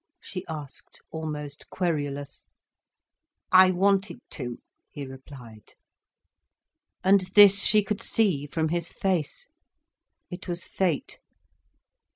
she asked, almost querulous. "I wanted to," he replied. And this she could see from his face. It was fate.